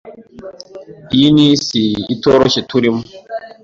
Iyi ni isi itoroshye turimo.